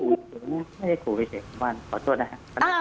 ไม่ได้ถูกไม่ได้ถูกวิเศษขอโทษนะครับ